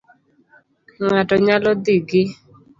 Ng'ato nyalo dhi gi